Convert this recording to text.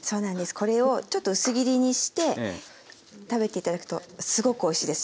これをちょっと薄切りにして食べて頂くとすごくおいしいです。